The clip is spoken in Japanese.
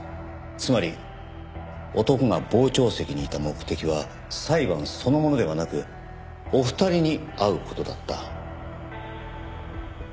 つまり男が傍聴席にいた目的は裁判そのものではなくお二人に会う事だった。